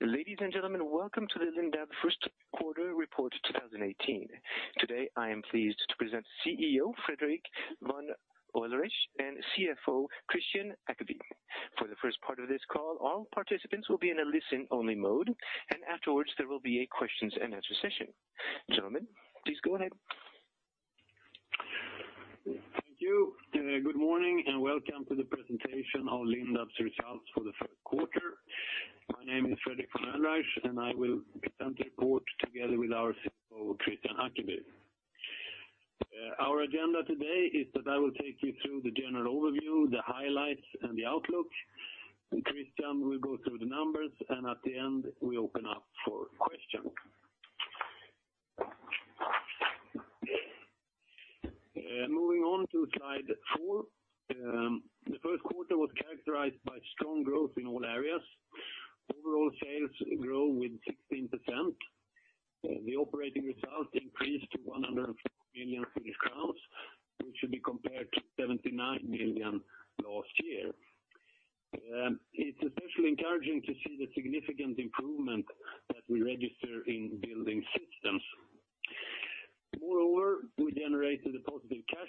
Ladies and gentlemen, welcome to the Lindab first quarter report 2018. Today, I am pleased to present CEO, Fredrik von Oelreich, and CFO, Kristian Ackeby. For the first part of this call, all participants will be in a listen-only mode, and afterwards, there will be a questions and answer session. Gentlemen, please go ahead. Thank you. Good morning, welcome to the presentation of Lindab's results for the first quarter. My name is Fredrik von Oelreich, I will present the report together with our CFO, Kristian Ackeby. Our agenda today is that I will take you through the general overview, the highlights, and the outlook, Kristian will go through the numbers, and at the end, we open up for questions. Moving on to slide four, the first quarter was characterized by strong growth in all areas. Overall sales grow with 16%. The operating results increased to 104 million Swedish crowns, which should be compared to 79 million last year. It's especially encouraging to see the significant improvement that we register in Building Systems.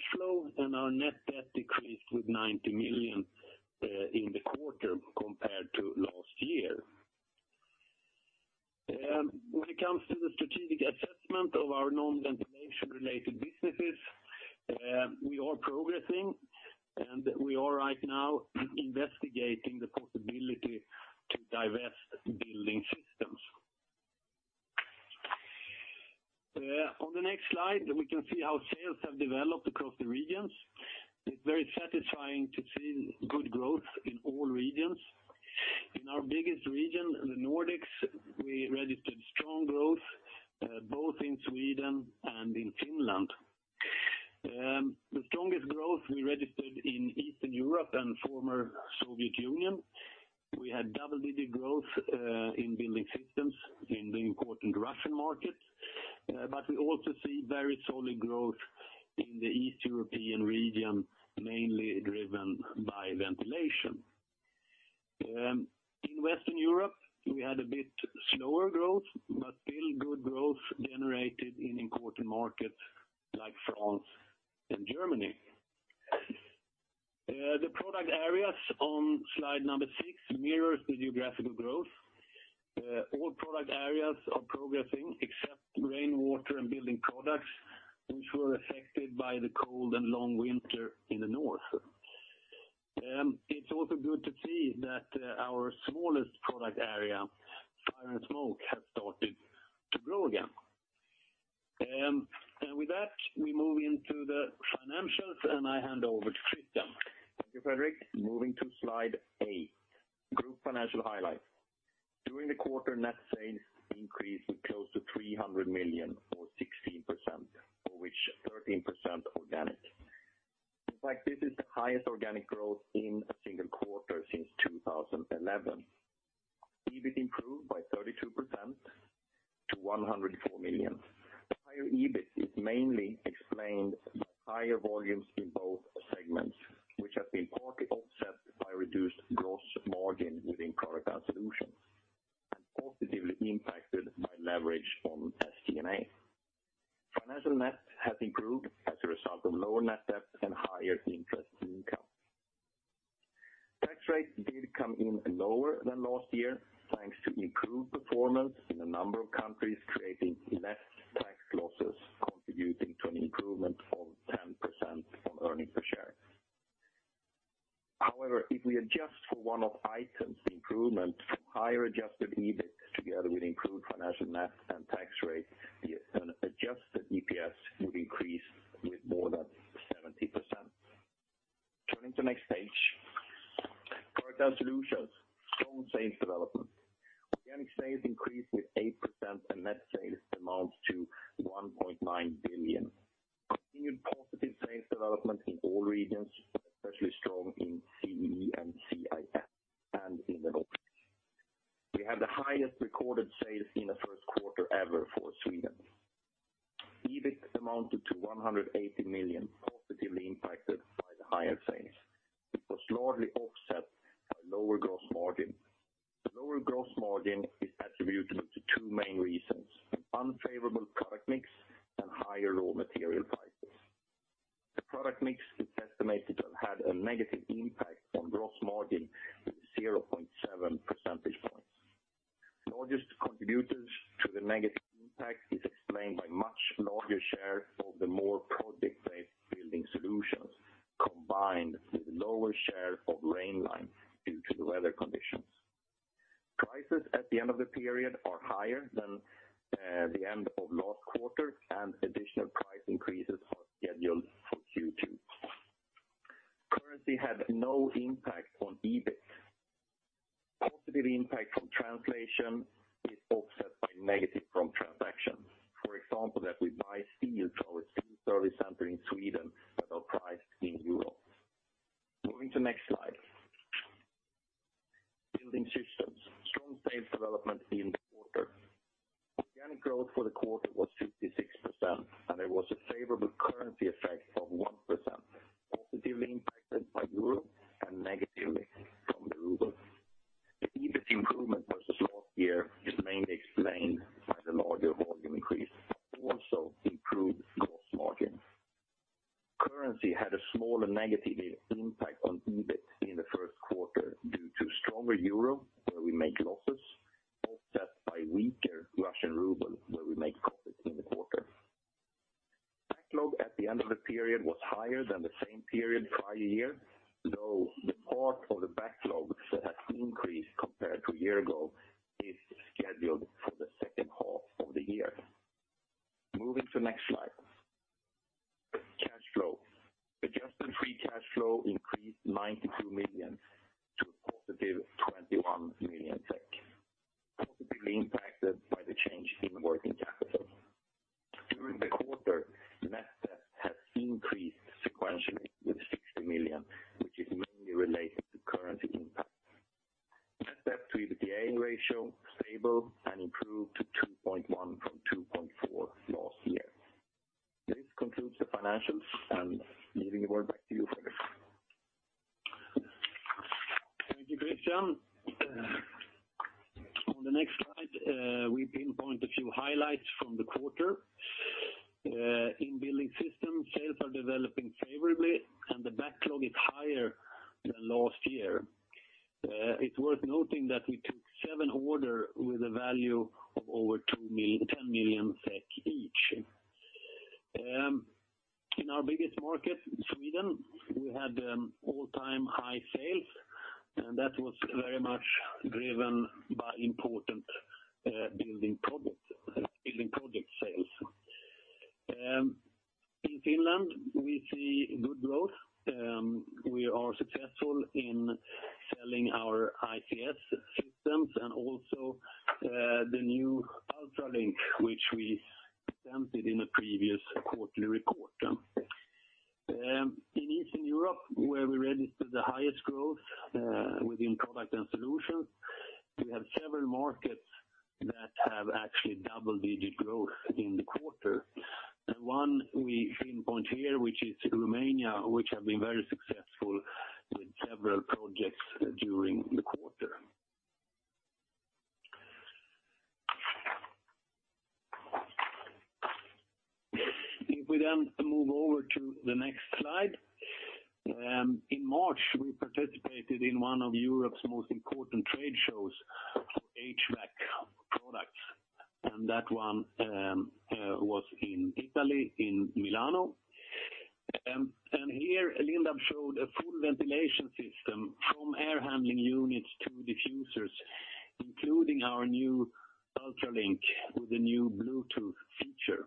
Moreover, we generated a positive cash flow, and our net debt decreased with 90 million in the quarter compared to last year. When it comes to the strategic assessment of our non-ventilation related businesses, we are progressing, and we are right now investigating the possibility to divest Building Systems. On the next slide, we can see how sales have developed across the regions. It's very satisfying to see good growth in all regions. In our biggest region, in the Nordics, we registered strong growth, both in Sweden and in Finland. The strongest growth we registered in Eastern Europe and former Soviet Union. We had double-digit growth in Building Systems in the important Russian market, but we also see very solid growth in the East European region, mainly driven by ventilation. In Western Europe, we had a bit slower growth, still good growth generated in important markets like France and Germany. The product areas on slide six mirrors the geographical growth. All product areas are progressing, except rainwater and building products, which were affected by the cold and long winter in the north. It's also good to see that our smallest product area, fire and smoke, has started to grow again. With that, we move into the financials, and I hand over to Kristian. Thank you, Fredrik. Moving to slide eight, group financial highlights. During the quarter, net sales increased with close to 300 million or 16%, for which 13% organic. In fact, this is the highest organic growth in a single quarter since 2011. EBIT improved by 32% to 104 million. Higher EBIT is mainly explained by higher volumes in both segments, which have been partly offset by reduced gross margin within Products & Solutions, and positively impacted by leverage on SG&A. Financial net has improved as a result of lower net debt and higher interest income. Tax rate did come in lower than last year, thanks to improved performance in a number of countries, creating less tax losses, contributing to an improvement of 10% on earnings per share. If we adjust for one-off items, the improvement for higher adjusted EBIT, together with improved financial net and tax rate, the adjusted EPS would increase with more than 70%. Turning to next page. Product Solutions, strong sales development. Organic sales increased with 8%, and net sales amounts to 1.9 billion. Continued positive sales development in all regions, especially strong in CEE and CIS, and in the North. We had the highest recorded sales in the first quarter ever for Sweden. EBIT amounted to 180 million, positively impacted by the higher sales. It was largely offset by lower gross margin. The lower gross margin is attributable to two main reasons: unfavorable product mix and higher raw material prices. The product mix is estimated to have had a negative impact on gross margin with 0.7 percentage points. Largest contributors to the negative impact is explained by much larger share of the more product-based Building Solutions, combined with lower share of Rainline due to the weather conditions. Prices at the end of the period are higher than the end of last quarter. Additional price increases are scheduled for Q2. Currency had no impact on EBIT. Positive impact from translation is offset by negative from transactions. For example, that we buy steel for our steel service center in Sweden, but are priced in Europe. Moving to next slide. Building Systems. Strong sales development. Growth for the quarter was 56%, and there was a favorable currency effect of 1%, positively impacted by Europe and negatively from the ruble. The EBIT improvement versus last year is mainly explained by the larger volume increase, also improved gross margin. Currency had a smaller negative impact on EBIT in the first quarter due to stronger euro, where we make losses, offset by weaker Russian ruble, where we make profits in the quarter. Backlog at the end of the period was higher than the same period prior year, though the part of the backlog that has increased compared to a year ago is scheduled for the second half of the year. Moving to the next slide. Cash flow. Adjusted free cash flow increased 92 million to a positive 21 million SEK, positively impacted by the change in working capital. During the quarter, net debt has increased sequentially with 60 million, which is mainly related to currency impact. Net debt to EBITDA ratio stable and improved to 2.1 from 2.4 last year. This concludes the financials, giving the word back to you, Fredrik. Thank you, Kristian. On the next slide, we pinpoint a few highlights from the quarter. In Building Systems, sales are developing favorably, and the backlog is higher than last year. It's worth noting that we took seven order with a value of over 10 million SEK each. In our biggest market, Sweden, we had all-time high sales, and that was very much driven by important building projects, building project sales. In Finland, we see good growth. We are successful in selling our ICS systems and also the new UltraLink, which we presented in a previous quarterly report. In Eastern Europe, where we registered the highest growth, within Products & Solutions, we have several markets that have actually double-digit growth in the quarter. One we pinpoint here, which is Romania, which have been very successful with several projects during the quarter. We move over to the next slide, in March, we participated in one of Europe's most important trade shows for HVAC products, was in Italy, in Milano. Here, Lindab showed a full ventilation system from air handling units to diffusers, including our new UltraLink with a new Bluetooth feature.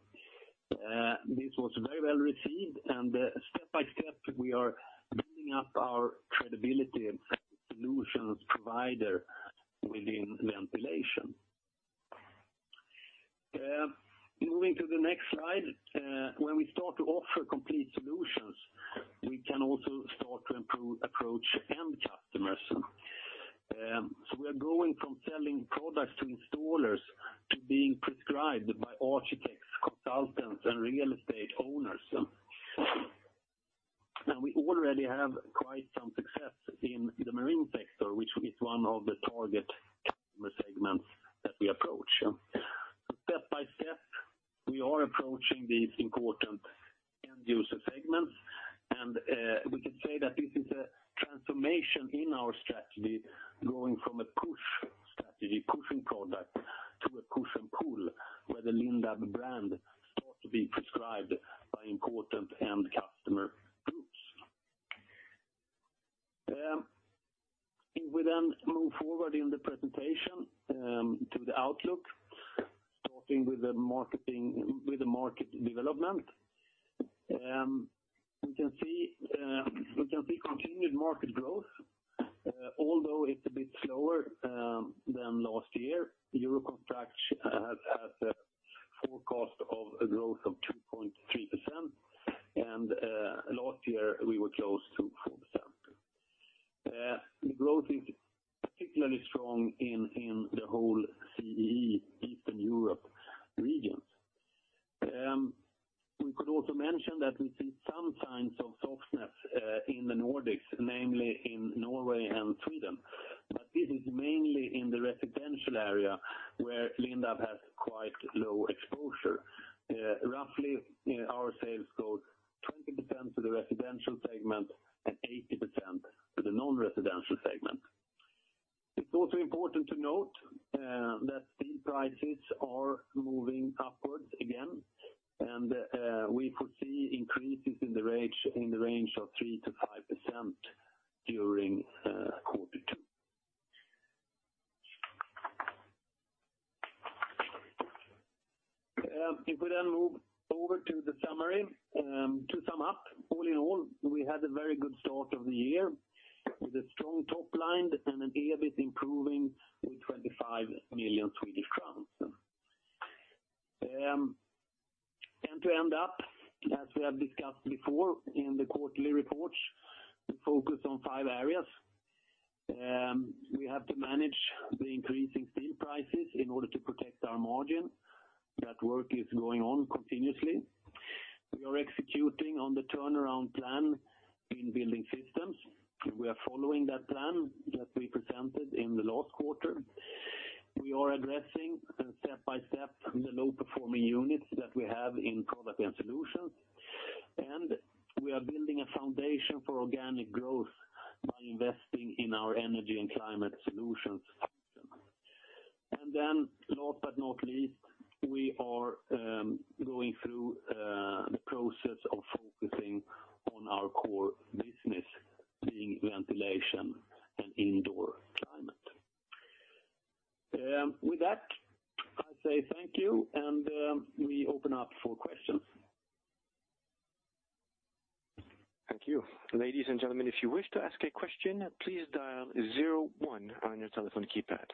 This was very well received, step by step, we are building up our credibility as a solutions provider within ventilation. Moving to the next slide, when we start to offer complete solutions, we can also start to improve approach end customers. We are going from selling products to installers to being prescribed by architects, consultants, and real estate owners. We already have quite some success in the marine sector, which is one of the target customer segments that we approach. Step by step, we are approaching these important end user segments, and we can say that this is a transformation in our strategy, going from a push strategy, pushing product, to a push and pull, where the Lindab brand starts to be prescribed by important end customer groups. If we move forward in the presentation, to the outlook, starting with the marketing, with the market development, we can see continued market growth, although it's a bit slower than last year. Euroconstruct has a forecast of a growth of 2.3%, and last year we were close to 4%. The growth is particularly strong in the whole CEE, Eastern Europe region. We could also mention that we see some signs of softness in the Nordics, namely in Norway and Sweden, this is mainly in the residential area, where Lindab has quite low exposure. Roughly, our sales go 20% to the residential segment and 80% to the non-residential segment. It's also important to note that steel prices are moving upwards again, we could see increases in the range of 3%-5% during quarter two. If we move over to the summary, to sum up, all in all, we had a very good start of the year, with a strong top line and an EBIT improving with SEK 25 million. To end up, as we have discussed before in the quarterly reports, we focus on five areas. We have to manage the increasing steel prices in order to protect our margin. That work is going on continuously. We are executing on the turnaround plan in Building Systems, and we are following that plan that we presented in the last quarter. We are addressing, step by step, the low performing units that we have in Products & Solutions, and we are building a foundation for organic growth by investing in our energy and climate solutions. last but not least, we are going through the process of focusing on our core business, being ventilation and indoor climate. With that, I say thank you, and we open up for questions. Thank you. Ladies and gentlemen, if you wish to ask a question, please dial zero one on your telephone keypad.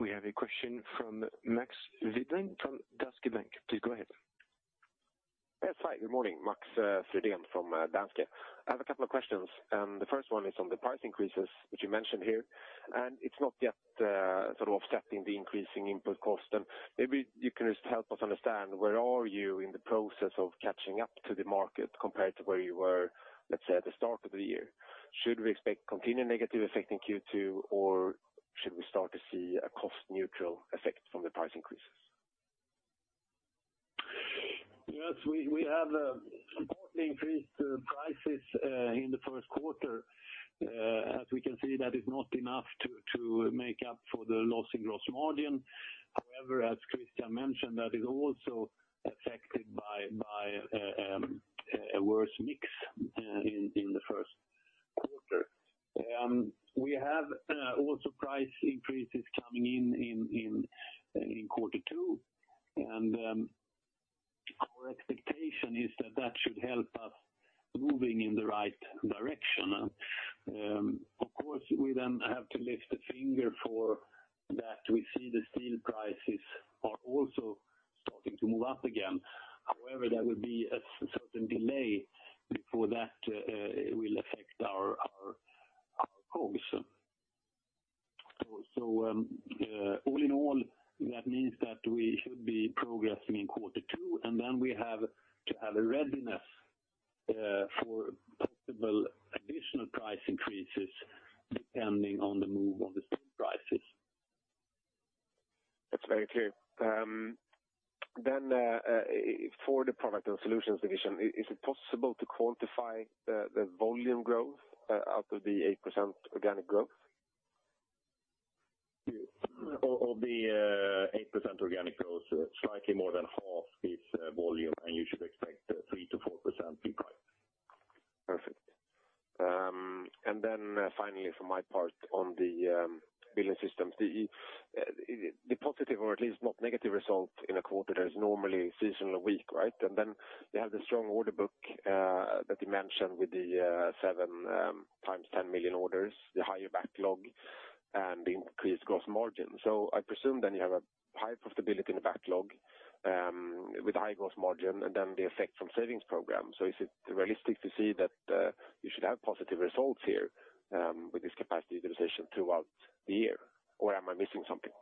We have a question from Max Frydén from Danske Bank. Please go ahead. Yes, hi, good morning. Max Frydén from Danske. I have a couple of questions. The first one is on the price increases, which you mentioned here, and it's not yet sort of offsetting the increasing input cost. Maybe you can just help us understand, where are you in the process of catching up to the market compared to where you were, let's say, at the start of the year? Should we expect continued negative effect in Q2, or should we start to see a cost neutral effect from the price increases? Yes, we have importantly increased the prices in the first quarter. As we can see, that is not enough to make up for the loss in gross margin. However, as Kristian mentioned, that is also affected by a worse mix in the first quarter. We have also price increases coming in quarter two, our expectation is that that should help us moving in the right direction. Of course, we then have to lift a finger for that. We see the steel prices are also starting to move up again. However, there will be a certain delay before that will affect our COGS. All in all, that means that we should be progressing in quarter two, and then we have to have a readiness for possible additional price increases, depending on the move of the stock prices. That's very clear. For the Products & Solutions division, is it possible to quantify the volume growth, out of the 8% organic growth? Of the 8% organic growth, slightly more than half is volume, and you should expect 3%-4% people. Perfect. Finally, from my part on the Building Systems, the the positive or at least not negative result in a quarter that is normally seasonally weak, right? You have the strong order book, that you mentioned with the 7x 10 million orders, the higher backlog and increased gross margin. I presume then you have a high profitability in the backlog, with high gross margin, and then the effect from savings program. Is it realistic to see that you should have positive results here, with this capacity utilization throughout the year, or am I missing something?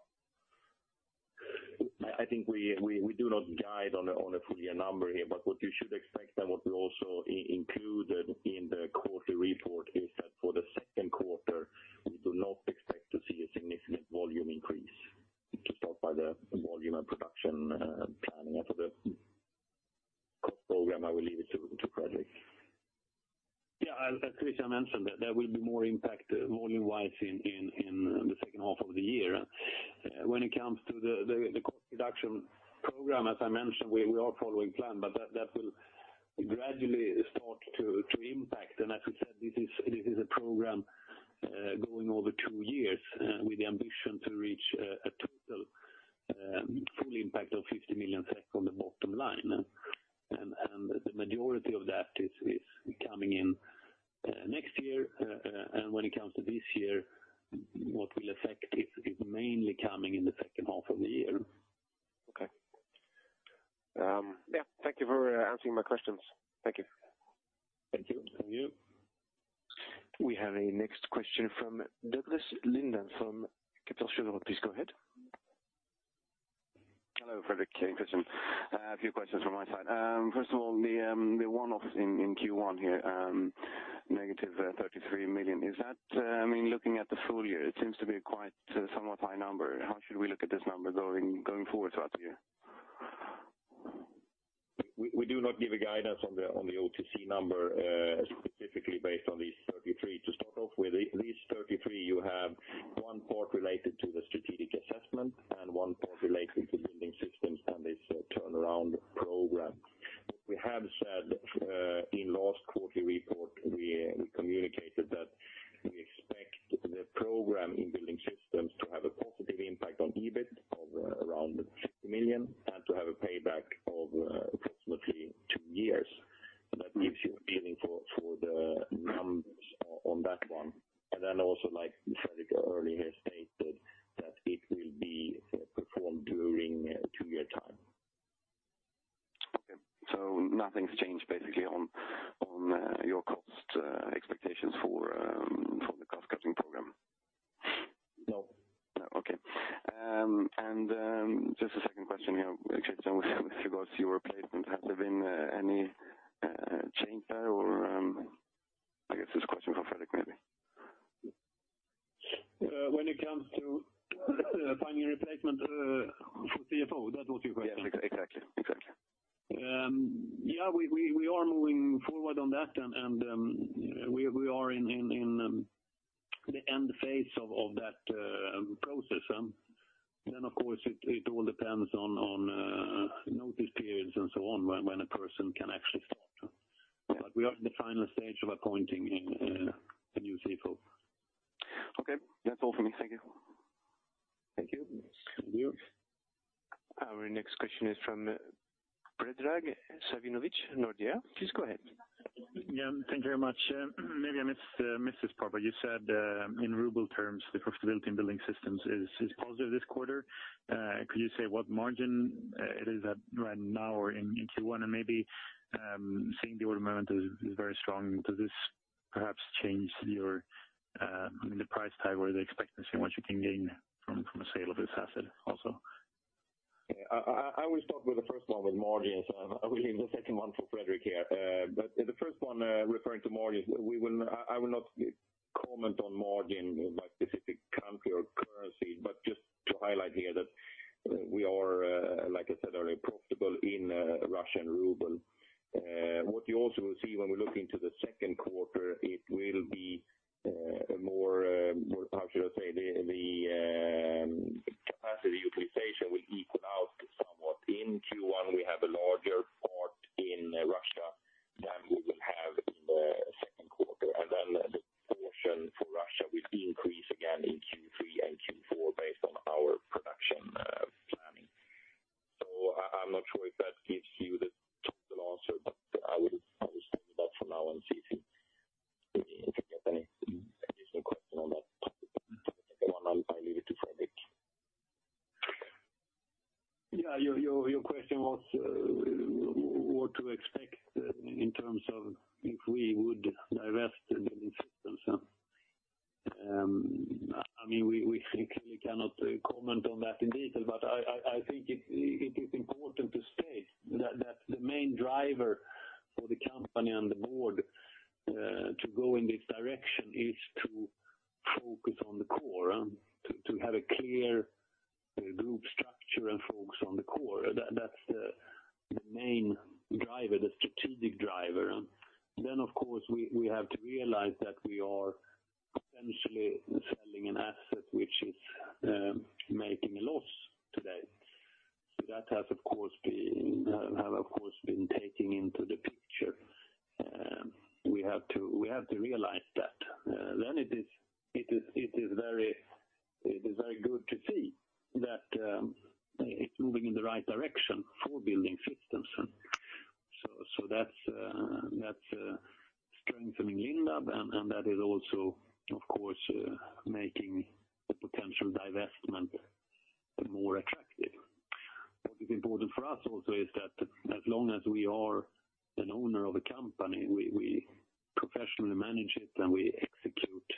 I think we do not guide on a full year number here, but what you should expect and what we also included in the quarterly report is that for the second quarter, we do not expect to see a significant volume increase. To start by the volume and production planning of the program, I will leave it to Fredrik. Yeah, as Kristian mentioned, there will be more impact volume-wise in the second half of the year. When it comes to the cost reduction program, as I mentioned, we are following plan, but that will gradually start to impact. As we said, this is a program going over two years with the ambition to reach a total full impact of 50 million effect on the bottom line. The majority of that is coming in next year. When it comes to this year, what will affect is mainly coming in the second half of the year. Okay. Yeah, thank you for answering my questions. Thank you. Thank you. Thank you. We have a next question from Douglas Lindahl from Kepler Cheuvreux. Please go ahead. Hello, Fredrik and Kristian. A few questions from my side. first of all, the one-off in Q1 here, -33 million, is that, I mean, looking at the full year, it seems to be quite a somewhat high number. How should we look at this number going forward throughout the year? We do not give a guidance on the OTC number, specifically based on these 33. To start off with, these 33, you have one part related to the strategic assessment and one part related to Building Systems and this turnaround program. We have said, in last quarterly report, we communicated that we expect the program in Building Systems to have a positive impact on EBIT of around 60 million and to have a payback of approximately two years. That gives you that one. Also, like Fredrik earlier stated, that it will be performed during a two year time. Okay. Nothing's changed basically on your cost expectations for from the cost cutting program? No. No. Okay. Just a second question here, with regards to your replacement, have there been any change there or, I guess this question for Fredrik, maybe. When it comes to, finding a replacement, for CFO, that was your question? Yeah, exactly. Exactly. Yeah, we are moving forward on that, and, we are in the end phase of that process. Of course, it all depends on notice periods and so on, when a person can actually start. We are in the final stage of appointing a new CFO. Okay. That's all for me. Thank you. Thank you. Thank you. Our next question is from Predrag Savinović, Nordea. Please go ahead. Yeah, thank you very much. Maybe I missed this part, but you said in ruble terms, the profitability in Building Systems is positive this quarter. Could you say what margin it is at right now or in Q1? Maybe, seeing the order moment is very strong, does this perhaps change your, I mean, the price tag or the expectancy, what you can gain from a sale of this asset also? Yeah. I will start with the first one with margins, I will leave the second one for Fredrik here. The 1st one, referring to margins, I will not comment on margin by specific country or currency, but just to highlight here that we are, like I said earlier, profitable in Russian ruble. What you also will see when we look into the second quarter, it will be more, more, how should I say? The capacity utilization will equal out somewhat. In Q1, we have a larger part in Russia than we will have in the second quarter, then the portion for Russia will increase again in Q3 and Q4, based on our production planning. I'm not sure if that gives you the total answer, but I will leave that for now and see if you have any additional question on that one, I'll leave it to Fredrik. Yeah, your question was what to expect in terms of if we would divest the Building Systems? I mean, we clearly cannot comment on that in detail, but I think it is important to state that the main driver for the company and the board to go in this direction is to focus on the core, to have a clear group structure and focus on the core. That's the main driver, the strategic driver. Of course, we have to realize that we are potentially selling an asset which is making a loss today. That have, of course, been taking into the picture. We have to realize that. It is very good to see that it's moving in the right direction for Building Systems. That's strengthening Lindab, and that is also, of course, making the potential divestment more attractive. What is important for us also is that as long as we are an owner of a company, we professionally manage it, and we execute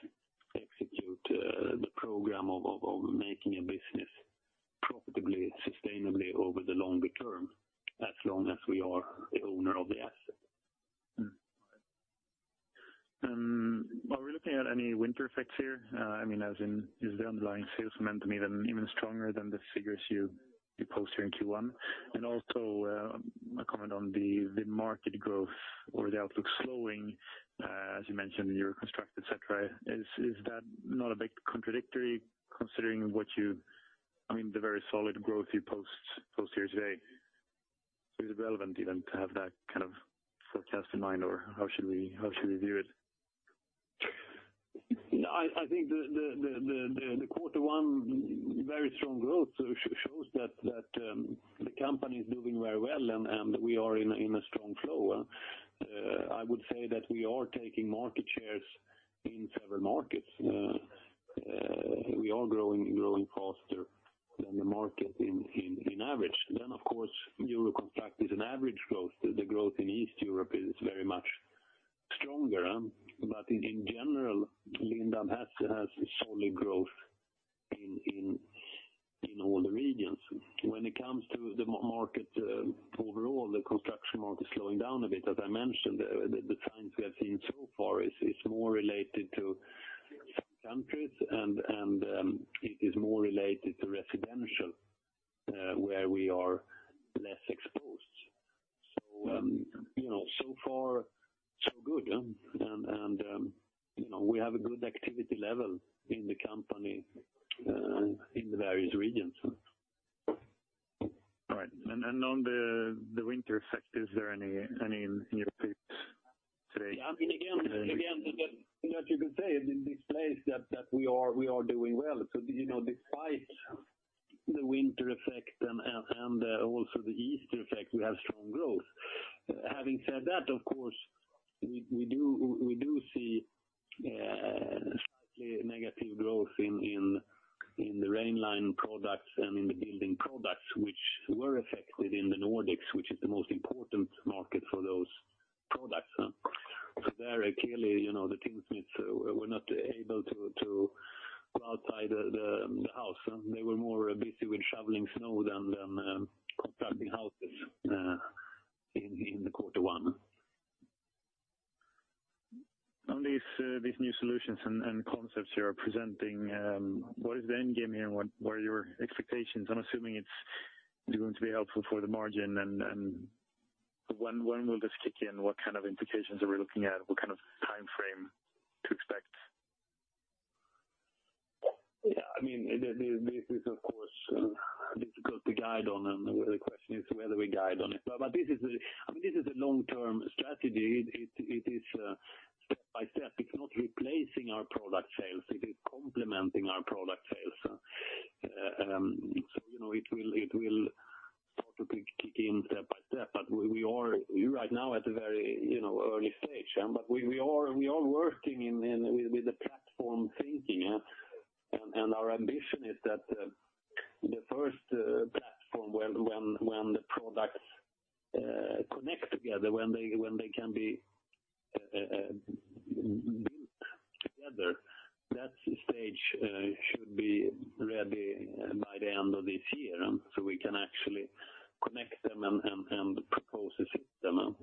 the program of making a business profitably, sustainably over the longer term, as long as we are the owner of the asset. Are we looking at any winter effects here? I mean, as in, is the underlying sales momentum even stronger than the figures you post here in Q1? Also, a comment on the market growth or the outlook slowing, as you mentioned in your Euroconstruct, et cetera. Is that not a bit contradictory, considering, I mean, the very solid growth you post here today. Is it relevant even to have that kind of forecast in mind, or how should we view it? I think the quarter one very strong growth shows that the company is doing very well, and we are in a strong flow. I would say that we are taking market shares in several markets. We are growing faster than the market in average. Of course, Euroconstruct is an average growth. The growth in East Europe is very much stronger, in general, Lindab has solid growth in all the regions. When it comes to the market, overall, the construction market is slowing down a bit. As I mentioned, the signs we have seen so far is more related to countries and it is more related to residential, where we are less exposed. You know, so far, so good, and, you know, we have a good activity level in the company, in the various regions. All right. On the winter effect, is there any in your pipes today? Yeah, I mean, again, that you can say, it displays that we are doing well. You know, despite the winter effect and also the Easter effect, we have strong growth. Having said that, of course, we do see slightly negative growth in the Rainline products and in the building products, which were affected in the Nordics, which is the most important market for those products, huh. There are clearly, you know, the tinsmiths were not able to go outside the house. They were more busy with shoveling snow than constructing houses in the quarter one. On these new solutions and concepts you are presenting, what is the end game here? What are your expectations? I'm assuming it's going to be helpful for the margin. When will this kick in? What kind of implications are we looking at? What kind of time frame to expect? Yeah, I mean, this is of course, difficult to guide on, and the question is whether we guide on it. This is the-- I mean, this is a long-term strategy. It is step by step. It's not replacing our product sales, it is complementing our product sales. You know, it will sort of kick in step by step. We are right now at a very, you know, early stage, but we are working in with the platform thinking. Our ambition is that the first platform when the products connect together, when they can be built together, that stage should be ready by the end of this year, so we can actually connect them and propose the system.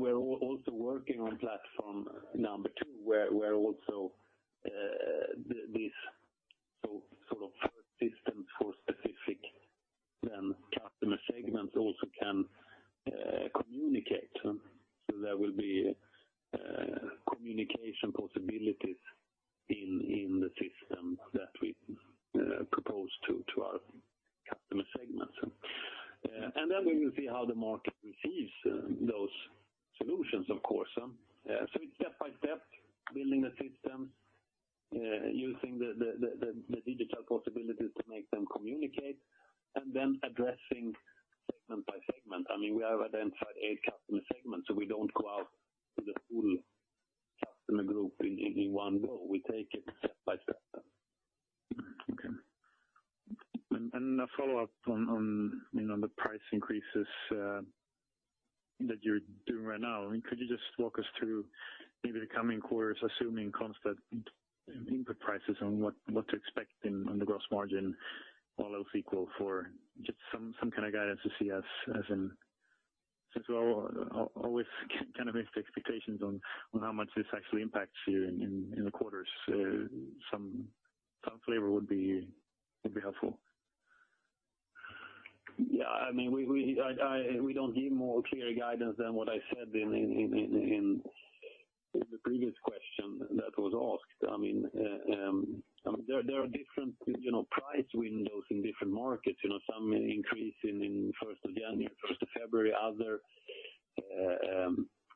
We're also working on platform number two, assuming constant input prices and what to expect in, on the gross margin, all else equal, for just some kind of guidance to see us as in? Since we're always kind of missed expectations on how much this actually impacts you in the quarters, some flavor would be helpful. Yeah, I mean, we don't give more clear guidance than what I said in the previous question that was asked. I mean, there are different, you know, price windows in different markets. You know, some increase in first of January, first of February, other,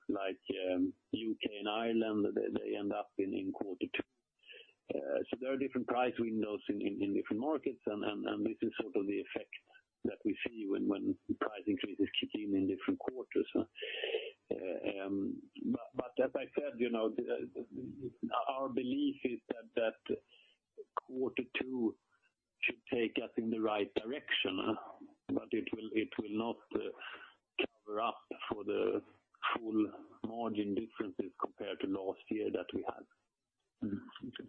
like, U.K. and Ireland, they end up in quarter two. There are different price windows in different markets, and this is sort of the effect that we see when price increases kick in different quarters. As I said, you know, our belief is that Q2 should take us in the right direction, but it will not cover up for the full margin differences compared to last year that we had. Okay.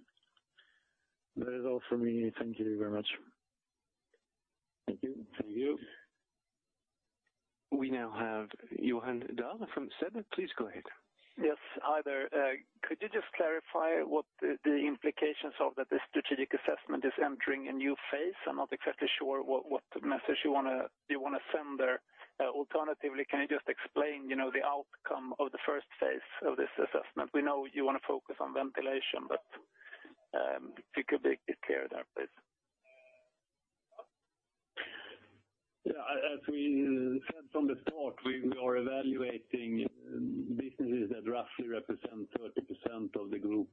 That is all for me. Thank you very much. Thank you. Thank you. We now have Johan Dahl from SEB. Please go ahead. Yes. Hi there. Could you just clarify what the implications of that the strategic assessment is entering a new phase? I'm not exactly sure what message you want to send there. Alternatively, can you just explain, you know, the outcome of the first phase of this assessment? We know you want to focus on ventilation, but if you could be clear there, please. Yeah, as we said from the start, we are evaluating businesses that roughly represent 30% of the group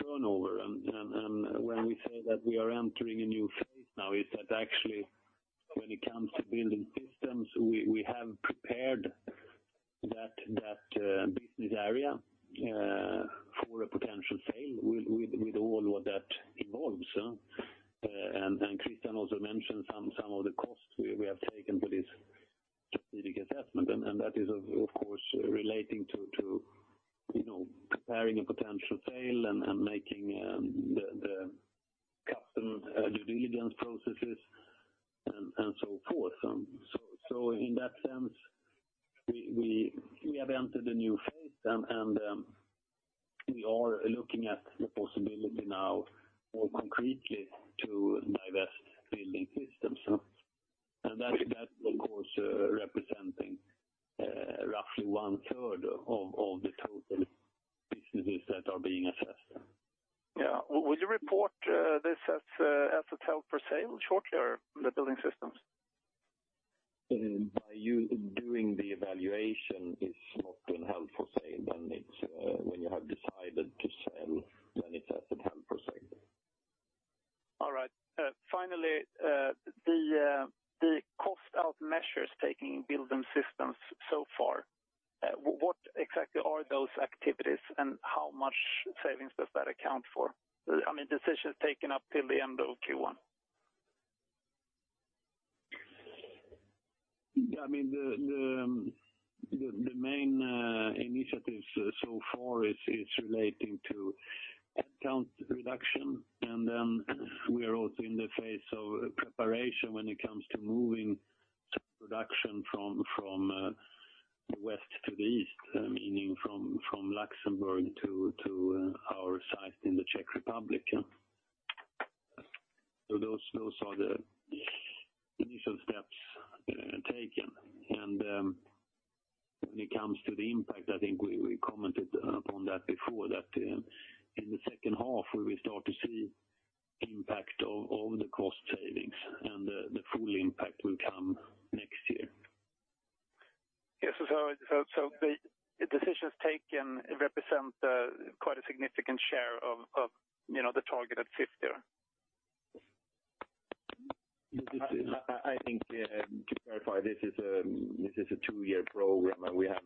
turnover. When we say that we are entering a new phase now, is that actually when it comes to Building Systems, we have prepared that business area for a potential sale with all what that involves. Kristian also mentioned some account reduction, and then we are also in the phase of preparation when it comes to moving production from west to the east, meaning from Luxembourg to our site in the Czech Republic, yeah. Those are the initial steps taken. When it comes to the impact, I think we commented upon that before, that in the second half, where we start to see impact of the cost savings, and the full impact will come next year. Yes, so the decisions taken represent quite a significant share of, you know, the target at 50? I think to clarify, this is a two year program. We have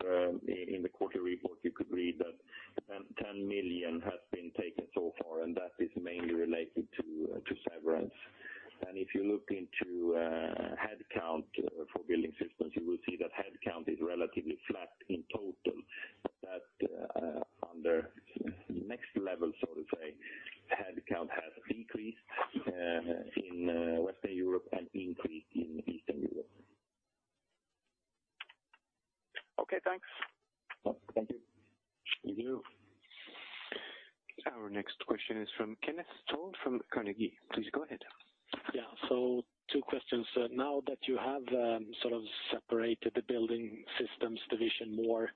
in the quarterly report, you could read that 10 million has been taken so far, and that is mainly related to severance. If you look into headcount for Building Systems, you will see that headcount is relatively flat in total, but that under next level, so to say, headcount has decreased in Western Europe and increased in Eastern Europe. Okay, thanks. Thank you. Thank you. Our next question is from Kenneth Toll from Carnegie. Please go ahead. Two questions. Now that you have, sort of separated the Building Systems division more,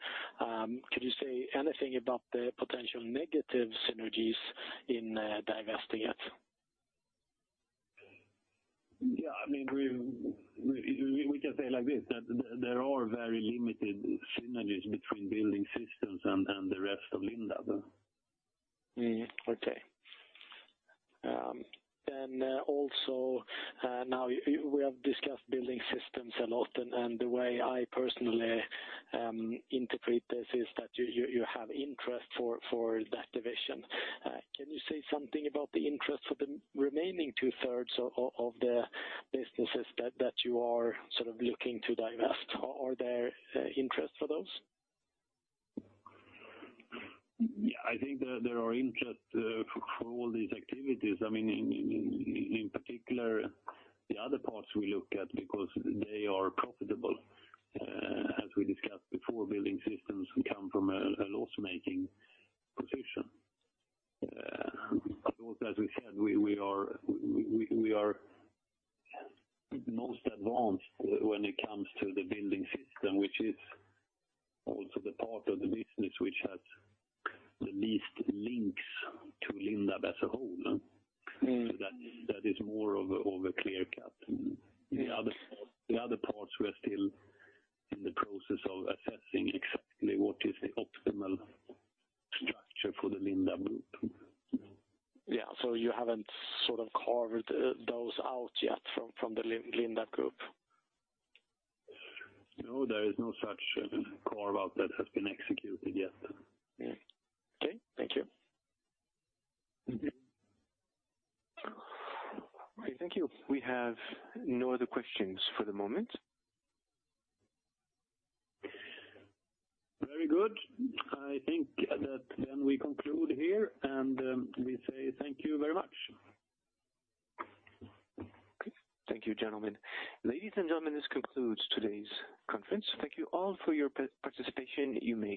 could you say anything about the potential negative synergies in divesting it? Yeah, I mean, we can say like this, that there are very limited synergies between Building Systems and the rest of Lindab. Okay. Also, now we have discussed Building Systems a lot, and the way I personally interpret this is that you have interest for that division. Can you say something about the interest for the remaining two-thirds of the businesses that you are sort of looking to divest? Are there interests for those? I think there are interests for all these activities. I mean, in particular, the other parts we look at because they are profitable. As we discussed before, Building Systems come from a loss-making position. Also, as we said, we are most advanced when it comes to the Building Systems, which is also the part of the business which has the least links to Lindab as a whole. Mm-hmm. That is more of a clear cut. Yeah. The other parts, we are still in the process of assessing exactly what is the optimal structure for the Lindab group. Yeah. you haven't sort of carved those out yet from the Lindab group? No, there is no such carve-out that has been executed yet. Yeah. Okay, thank you. Mm-hmm. Okay, thank you. We have no other questions for the moment. Very good. I think that then we conclude here, and, we say thank you very much. Thank you, gentlemen. Ladies and gentlemen, this concludes today's conference. Thank you all for your participation. You may disconnect.